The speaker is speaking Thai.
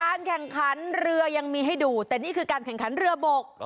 แข่งขันเรือยังมีให้ดูแต่นี่คือการแข่งขันเรือบก